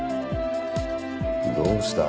どうした？